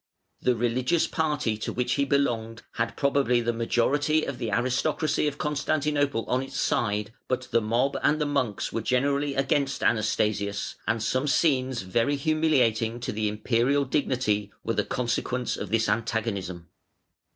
The religious party to which he belonged had probably the majority of the aristocracy of Constantinople on its side, but the mob and the monks were generally against Anastasius, and some scenes very humiliating to the Imperial dignity were the consequence of this antagonism.